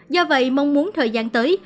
do vậy mong muốn thời gian tới